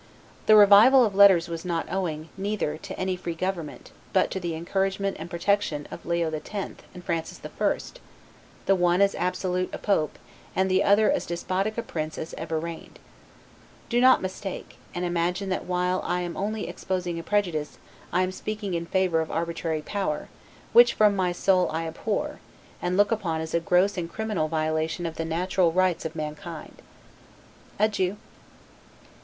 The revival of letters was not owing, neither, to any free government, but to the encouragement and protection of Leo X. and Francis I; the one as absolute a pope, and the other as despotic a prince, as ever reigned. Do not mistake, and imagine that while I am only exposing a prejudice, I am speaking in favor of arbitrary power; which from my soul I abhor, and look upon as a gross and criminal violation of the natural rights of mankind. Adieu.